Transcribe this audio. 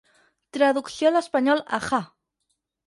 Traducció a l'espanyol ¡Ajá!